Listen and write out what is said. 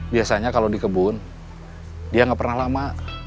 biasanya kalau di kebun dia nggak pernah lama